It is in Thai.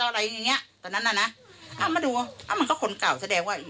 อะไรอย่างเงี้ยตอนนั้นน่ะนะอ้าวมาดูอ้าวมันก็คนเก่าแสดงว่า